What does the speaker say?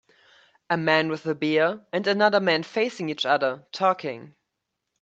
A man with a beer and another man facing each other, talking.